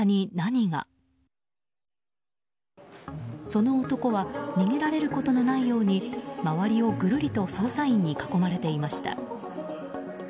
その男は逃げられることのないように周りをぐるりと捜査員に囲まれていました。